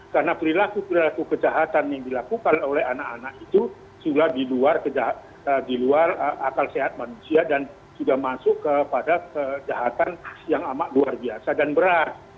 karena perilaku perilaku kejahatan yang dilakukan oleh anak anak itu sudah di luar akal sehat manusia dan sudah masuk kepada kejahatan yang amat luar biasa dan berat